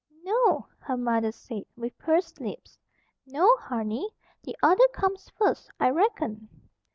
"No o," her mother said, with pursed lips. "No, honey. The other comes first, I reckon."